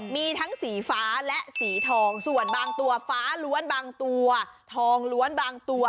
มันคลอดรุ่งออกมาเท่าไหร่ออกมาทั้งหมด๖ตัว